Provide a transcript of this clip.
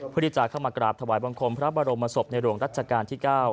เพื่อที่จะเข้ามากราบถวายบังคมพระบรมศพในหลวงรัชกาลที่๙